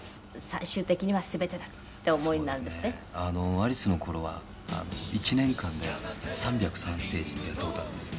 アリスの頃は、１年間で３０３ステージってやった事あるんですよ。